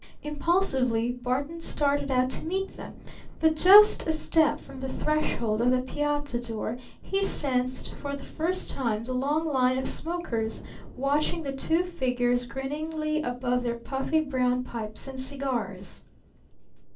Impulsively Barton started out to meet them, but just a step from the threshold of the piazza door he sensed for the first time the long line of smokers watching the two figures grinningly above their puffy brown pipes and cigars.